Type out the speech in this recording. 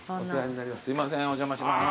すいませんお邪魔します。